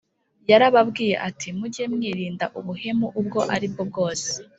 Yarababwiye ati «Mujye mwirinda ubuhemu ubwo ari bwo bwose»,